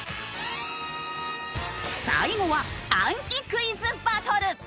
最後は暗記クイズバトル。